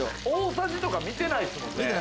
大さじとか見てないですよね？